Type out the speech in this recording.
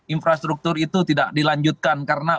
infrastruktur itu tidak dilanjutkan karena